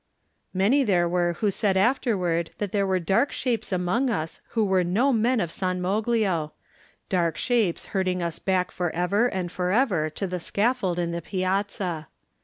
Many there were who said afterward that there were dark shapes among us who were no men of San Moglio; dark shapes herding us back for ever and for ever to the scaffold in the piazza.